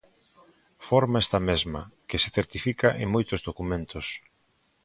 Forma, esta mesma, que se certifica en moitos documentos.